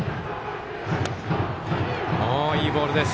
いいボールです。